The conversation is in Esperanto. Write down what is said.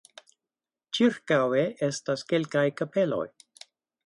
Ĉirkaŭe estas kelkaj kapeloj.